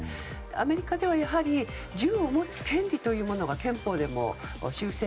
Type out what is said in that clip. アメリカでは、やはり銃を持つ権利というものが憲法でも修正